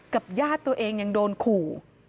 ญาติตัวเองยังโดนขู่